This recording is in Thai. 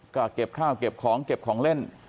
ก็เก็บข้าวเก็บของเก็บของเล่น